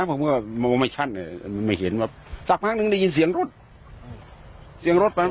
ผมก็มองไม่ชัดไม่เห็นว่าสักพักหนึ่งได้ยินเสียงรถเสียงรถไป